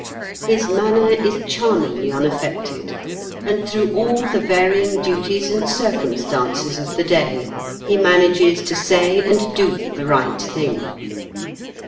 His manner is charmingly unaffected, and through all the varying duties and circumstances of the day he manages to say and do the right thing.